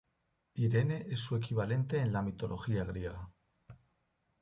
Irene es su equivalente el la mitología griega.